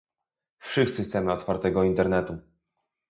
Wszyscy chcemy otwartego internetu